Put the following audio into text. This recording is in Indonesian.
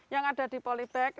yang ada di polybag